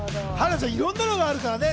いろんなのがあるからね。